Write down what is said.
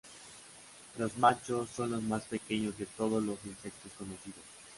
Los machos son los más pequeños de todos los insectos conocidos.